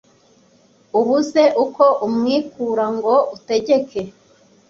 ubuze uko umwikura ngo utegeke